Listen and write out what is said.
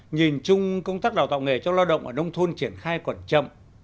nhìn chung công tác đào tạo nghề cho lao động ở nông thôn triển khai còn chậm